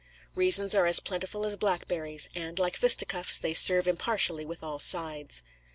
Reasons are as plentiful as blackberries; and, like fisticuffs, they serve impartially with all sides.